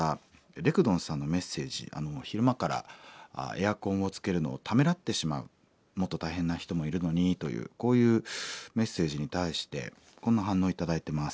レクドンさんのメッセージ昼間からエアコンをつけるのをためらってしまうもっと大変な人もいるのにというこういうメッセージに対してこんな反応頂いてます。